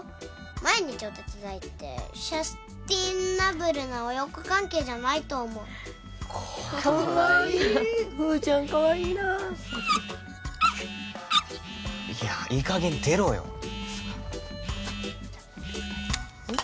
毎日お手伝いってサステナブルな親子関係じゃないと思うかわいい風ちゃんかわいいないやいい加減出ろようん？